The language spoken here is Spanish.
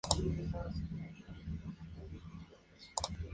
Me toma por el pito de un sereno y no hace ni caso